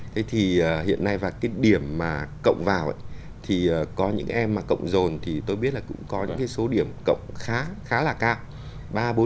thế thì hiện nay và cái điểm mà cộng vào thì có những em mà cộng dồn thì tôi biết là cũng có những cái số điểm cộng khá khá là cao